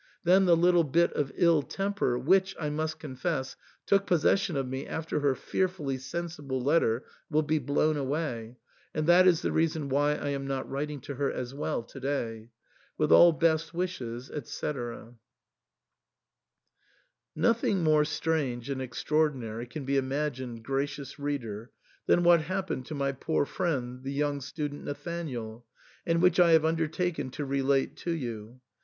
Then the little bit of ill temper, which, I must confess, took possession of me after her fearfully sensible letter, will be blown away. And tliat is the reason why I am not writing to her as well to day* With all best wishes, &c. Nothing more strange and extraordinary can be im agined, gracious reader, than what happened to my poor friend, the young student Nathanael, and which I have undertaken to relate to you.